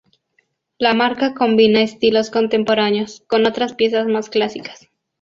La marca combina estilos contemporáneos con otras piezas más clásicas.